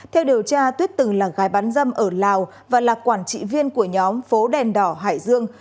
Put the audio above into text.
theo điều tra tuyết từng là gái bán dâm ở lào và là quản trị viên của nhóm phố đèn đỏ hải dương